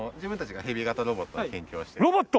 ロボット！？